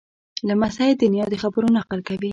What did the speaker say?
لمسی د نیا د خبرو نقل کوي.